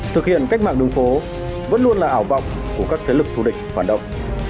thực hiện cách mạng đường phố vẫn luôn là ảo vọng của các thế lực thù địch phản động